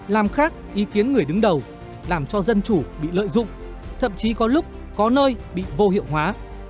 làm khác ý kiến người đứng đầu làm cho dân chủ bị lợi dụng thậm chí có lúc có nơi bị vô hiệu hóa